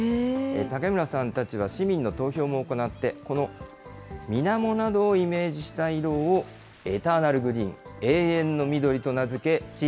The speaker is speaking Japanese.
竹村さんたちは市民の投票も行って、このみなもなどをイメージした色をエターナルグリーン・永遠の緑